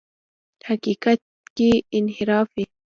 حقیقت کې انحراف وي.